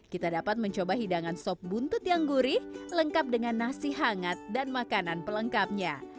kita dapat mencoba hidangan sop buntut yang gurih lengkap dengan nasi hangat dan makanan pelengkapnya